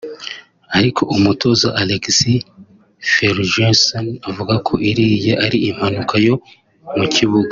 Ariko umutoza Alex Fergueson avuga ko iriya ari impanuka yo mu kibuga